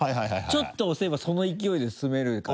ちょっと押せばその勢いで進めるから。